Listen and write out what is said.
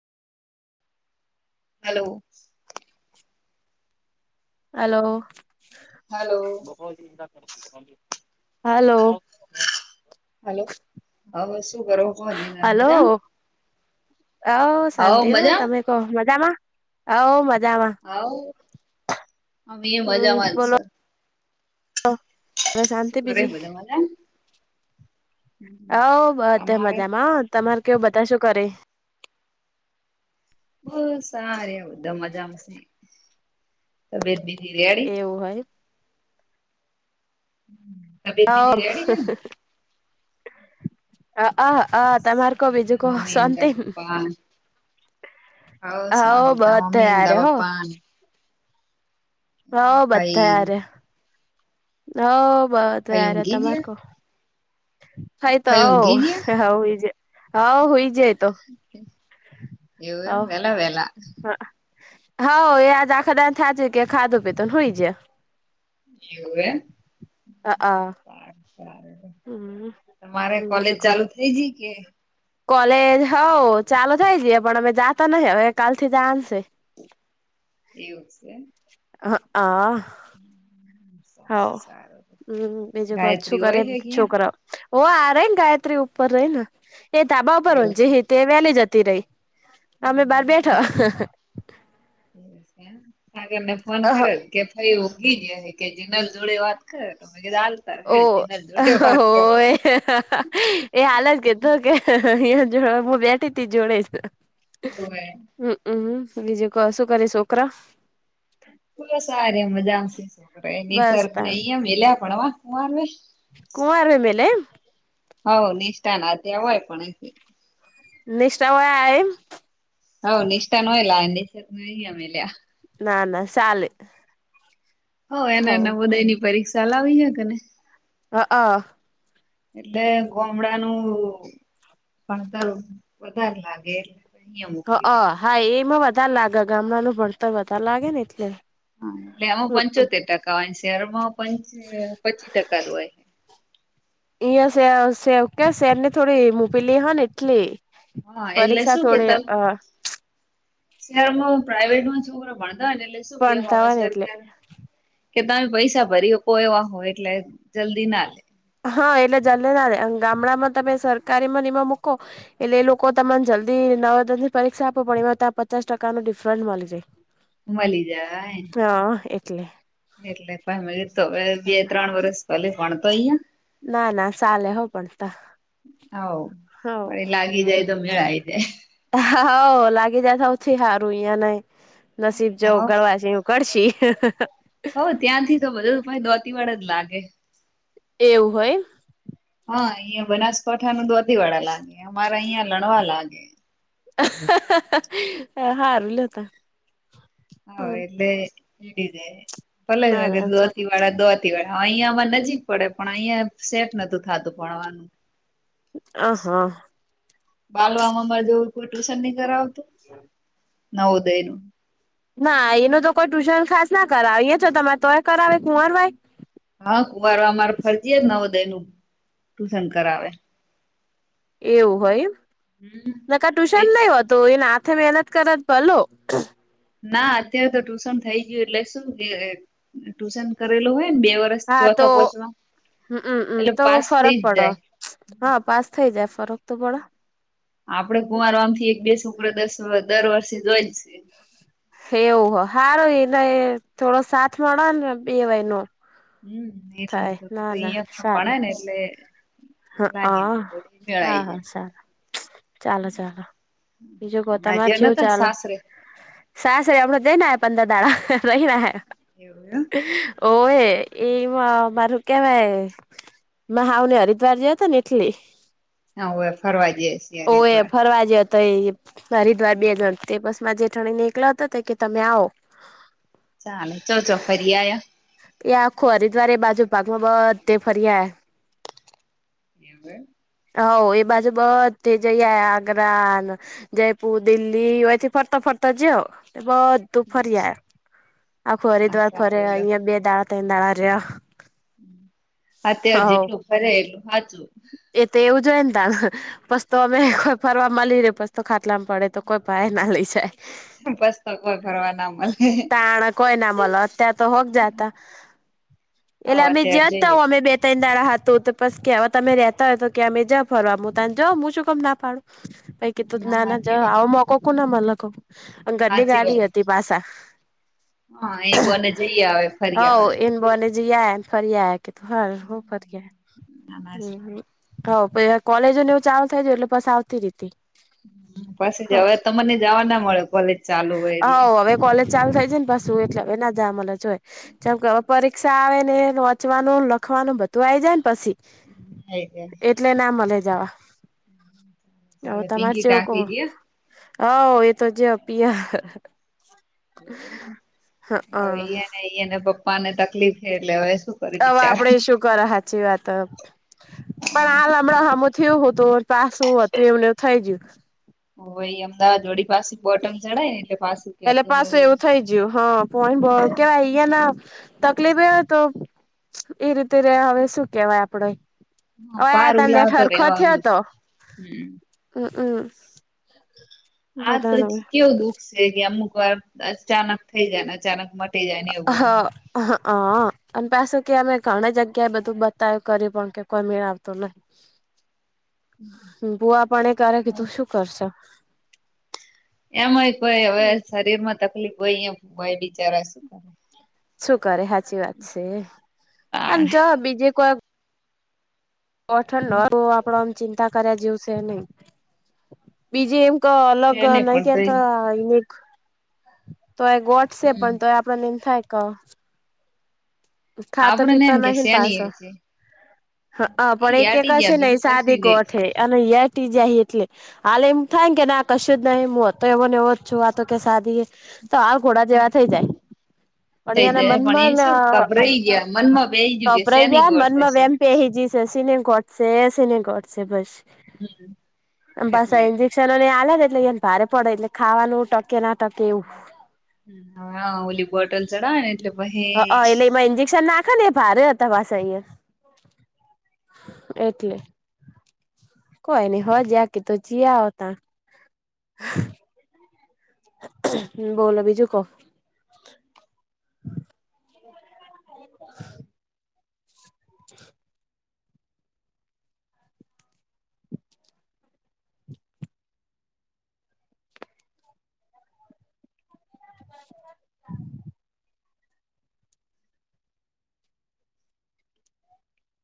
Hello. Hello. Hello hello. Hello હવે શું કરો હો જીનલ મજા. અહો હવ શાંતિઓ હો મજા તમે કહો મજામાં અહો મજા હ આ એ મજામાં જશે. હસનતી કરે બીજી બધા મજા હત તમારે મજામાં તમાર કેવું બધા શું કરે બસ સાર બધા મજામાં છે તબિત બી એવું હોય. તબિયત હા બીજી રેડી હ. અ અ તમાર કો છે ને બીજું કો મમ્મી ને શાંતિ તારા પપ્પા હવ શાંતિ હવ બધ તારા મમ્મી ને થયાર તારા હો. પપ્પા હા બધા ભાઈ યાર. હ બધ ભાઈ યાર ઊંઘી તમારે ગયા કો થતો ભાઈ ઊંઘી હ ગયા હઈજ હ ઈજ. એવું વલા વલા. હા એ આજ આખા દ થ છે કે ખાધું પીતો હોય છે. એવું એમ. અ તમારે કોલેજ બીજું કો ચાલુ થઈ જ કે કોલેજ હઉ ચાલુ થઈ જઈએ પણ અમે જાતા નહ હવે કાલ થી જશે. [inaudible] એવું જ છે. હ આ. [inaudible] હા ઓ સારું હમ્મ બીજું કો છુ ગાયત્રી હોય કરે હે ક્યાં છોકરાઓ. ઓ આ રઈ ન ગાયત્રી ઉપર રહી ને એ ધાબા ઉપર હો એવું જે હ તે વેલી જતી રહી. અમે બહાર છે બેઠા. એવું છે એમ સાગરને ફોન કરેલ કે ભઈ ઊંઘી ગયા હે કે જીનલ જોડે વાત કર. ઓ કરે હો એ હાલ જકેતો કે હ જો હું બેઠી હતી જોડેજ. હોવે હમ્મ બીજુ કો શું કરે છોકરા? બસ ત [unintelligible] કુંવાર મેલે એમ હ નિષ્ઠાન ત્યાં હોય પણ નિસ્ટા વ આયમ. હવ નિસ્ટા ને અહીંયા લાયા ને નિશદ ને અહીંયા મેલિયા. ના ના શાલે. હ એને ઉદય ની પરીક્ષા લાવી હ કેને. હઅ. એટલે ગોમડાનું ભણતર વધારે લાગે એટલે. અહિયાં હ મોકલી દીધું. હા એમાં વધારે લાગે ગામડાનું ભણતર વધારે લાગે ને એટલે. હા એટલે એમાં પંચોતેર ટકા હોય શહેરમાં પંચી અ પચી ટકા જ હોય. અહિયાં શ શે કે શેર ને થોડી મોકલી હ ને એટલે. હા એટલે શું કેતા શહેરમાં પ્રાઈવેટમાં છોકરો ભણ ના ને એટલે શું કેહો ભણતા હોય ને એટલે સરકાર. કે તમે પૈસા ભરી હકો એવા હોય એટલે જલ્દી ના લે. હા એટલે જલ્દી ના લે અને ગામડામાં તમે સરકારીમાં એને મૂકો. એટલે એ લોકો તમન જલ્દી નવદન ની પરીક્ષા આપો પણ એમાં ત્યા પચાસ ટકાનો ડિફરેન્ટ મળી જાય. મલી જાય. હા એટલે એટલે ભા તો હ બે ત્રણ વરસ ભલે ભણતો અહીંયા ના ના શાલે હો પણ તા. હાવ હ વળી લાગી જાય તો મેળ આઈ જાય. હવ લાગી જાય સૌથી હારું અહિયાં નહી નસીબ જેવું હવ કરવા છે એવુ કરશી. હવ ત્યાંથી તો બધું ભાય દોતી વાળ જ લાગે એવું હોય હા અહીંયા બનાસકાંઠા ન દોતી વાળા લાગે અમારા અહીંયા લણવા લાગે. હારું લતા. હા એટલે એ જાય ના ભલે કે ના ચાલ ધોતી વાળા દોત. ધોતીવાડા અહિયાં અમારે નજીક પડે પણ અહિયાં સેટ નતું થાતું ભણવાનું. અ હ. બાલવા માં અમારે જેવું કોઈ ટ્યુશન ની કરાવ ન ઉદયનું. ના એનું તો કોઈ ટ્યુશન ખાસ ના કરાવ એ તો તમારે તોય કરાવે કુંમારભાઈ. હા કુવાર અમારે ફરજીયાત નવોદયનું ટુશન કરાવે. એવું હોય એમ. હમ નકર એ ટુશન નહી હોતું એના હાથ ત મહેનત કરત ભલો. ના અત્યારે તો ટુશન થઈ ગયું એટલે શું કે ટુશન કરેલો હોય કેમ બે વર્ષ ચોથા પોહચવા. હમ અ તો ફરક પડો હા પાસ થઈ જાય ફરક તો પડહ આપડે કુમારવામથી એક બે છોકરા દસ દર વર્ષે જોઈ. એવુ હ. હારું એનય થોડો સાથ મળે ન બેવનો. હમ એટલે તો કીધું અહિયાં સારું પણેને એટલે હ લાગી હા જાય તો મેળાઈ હા જાય સારા ચાલો ચાલો બીજે કો હમણાં તમાર જે ચેવુ નતા ને ચાલ? સાસરે સાસરે [unintelligible] દેઈને પંદર દાડા રહીયા હે એવું એમ ઓય એમાં મારું કેવાય મહાવલી હરિદ્વાર જયા હતા ને એટલે હા હવે ફરવા ગ્યાસી ઓવે હરિદ્વાર ફરવા જયો હરિદ્વાર બે જણ તે બસ માં જેઠણીને એકલા તા કે તમે આવો ચાલે ચો ચો ફરી આયા એ આખો હરિદ્વારે એ બાજુ પાકમાં બધે ફર્યા એવું હે હોવ એ બાજુ બધી જઈ આગ્રાન જયપુર દિલ્હીથી ફરત ફર તો જયો બધું ફર્યા આખું ના હરિદ્વાર સારું ફર્યા લ્યો અહિયાં બે દાડા ત્રણ દાડા રહ્યા અત્યાર હવ જેટલું ફરે એટલું હાચુ એ તો [unintelligible] ફરવા [unintelligible] ખાટલામાં પડે તો કોઈ ભાયના લઈ જાય પસ તો કોઈ ફરવા ના મલે તાણ કોય ના મલ અત્યાર તો હોક જાતા હવ એટલે અમે અત્યારે જ્યાતા જઈએ હો અમે બે તૈણ દા હતું તો પસ કેવા તમે રેતા હોય તો કે અમે જા ફરવા મુ તને જાઓ મુ શું કામ ના પાડુ પહી કીધું ના ના હાચી જા વાત આવો મોકો કોને મલે કો અને ઘરની હાચી ગાડી વાત હતી પાસા હા એ બોને જઈ આવે ફરી હાવ આવે એન બોને જઈ આયા ફરિઆયા ના ના [unintelligible] હાવ પહી કોલેજોને એવું ચાલ થય જાય એટલે પસી આવતી રીતી પાછી જાવા તમને જાવા ના મળે કોલેજ ચાલુ હોય હ એટલે. હવે કોલેજ ચાલુ થાય છે, ને પાછું એટલે હવે ના જાવા મલે જોય જેમ કે પરીક્ષા આવે ને વોચવાનું લખવાનું બધું આઈ જાય ને પછી એટલે જ એટલે ના મલે હ હવે ચાલે તમારે પિંકી ચેવુ કો? કાકી હાવ એતો જ્યાં પિયર હવે એ હ અને એન પપ્પાને તકલીફ એટલે હવે શું કરે હવે બિચારા. આપડે શું કર હાચી વાત પણ આ અમણાં હામુ થયું હુતું પાસું હતું એવું ને એવું થઈ ગયું હોવે એ અમદાવાદ [unintelligible] બોટમ ચડાય ને એટલે પાછું એટલે કેતું ને પાછું એવું થઇ જ્યું હ [unintelligible] તકલીફ એ હતો એ રીતે રે હવે શું કેવાય આપડે હા હવે ભાર તા નેટ ઉલાવતો હરખો રહેવાનો થયો જ તો હમ્મ. [unintelligible] આ [unintelligible] કેવું દુઃખ છે, કે અમુક વાર અચાનક થઇ જાય ને અચાનક મટી જાય ને એવું બધું. હા હ અને પાસે કે અમે ઘણી જગ્યાએ બધું બતા કર્યું પણ કે કોઈ મેળ આવતો નહી ભૂઆ પાણી કરે કે તું શું કરશો? એમાંય કોઈ હવે શરીરમાં તકલીફ હોય [unintelligible] ભૂઆય બિચારા શું કરે શું કરે હાચી વાત છે, અને તાણ જો બીજે કોઈ ઓઠંડ તો આપડો આમ ચિંતા કર્યા જેવું શે નહી બીજે એવુ ક અલગ શેને નઈ પણ તઈ કેતા [unintelligible] તો એ ગોટશે હમ પણ તો એ આપડને એમ થાય ક ખાતા આપડને પીતા એમ કે નહી ન શેની એ પાસા છે હઅ એ પણ એક એક હટી હશે ગયા ને એ બીજું કશું સાદી નઈ ગોઠ હે અને [unintelligible] જાય એટલે હલે એમ થાય ને કે ના કશું જ નહી હું હતો ને એવો ને એવો જ છું આતો કે સાદી એ તો આ ઘોડા જેવા થઈ જાય પણ એ થઈ એના જાય પણ એ મનમાંને શું અ ગભરાઈ ગયા મનમાં બેહી ગયું કે તોપરાઈ શેની જ્યા ગોઠ મનમાં હશે વેમ પેહિ જયો છે સિને ગોઠસે સિને ગોઠસે બસ હમ અને પાસા એટલે ઇન્જેક્શનોને એ આલે ને એટલે ભારે પડે એટલે ખાવાનું ટકે ના ટકે એવું. હા ઓલી બોટલ ચડાવને એટલે હઅ એટલે પહી એમાં ઇન્જેક્શન નાખે ને એ ભારે દવા સે ઐયા એટલે. કોઈ નઈ હો જકી તો જીયા આવ ત બોલો બીજું કો? [inaudible] [inaudible]